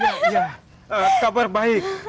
iya iya kabar baik